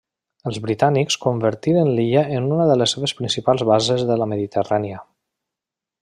Els britànics convertiren l'illa en una de les seves principals bases de la Mediterrània.